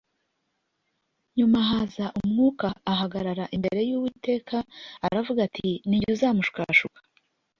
Nyuma haza umwuka ahagarara imbere y’Uwiteka aravuga ati ‘Ni jye uzamushukashuka’